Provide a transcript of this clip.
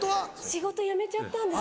仕事辞めちゃったんですよ。